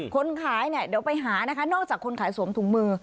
คนขายเนี่ยเดี๋ยวไปหานะคะนอกจากคนขายสวมถุงมือ